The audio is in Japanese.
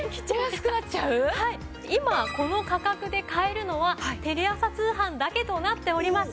今この価格で買えるのはテレ朝通販だけとなっております。